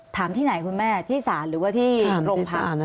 ที่ไหนคุณแม่ที่ศาลหรือว่าที่โรงพัก